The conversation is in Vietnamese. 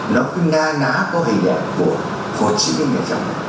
nó cứ na ná có hình ảnh của chủ tịch hồ chí minh này